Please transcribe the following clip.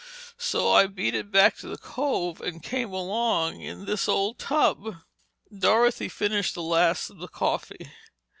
So I beat it back to the cove and came along in this old tub." Dorothy finished the last of the coffee.